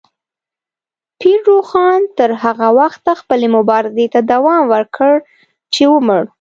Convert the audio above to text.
پیر روښان تر هغه وخته خپلې مبارزې ته دوام ورکړ چې ومړ.